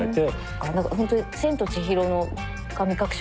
あっ何かほんとに「千と千尋の神隠し」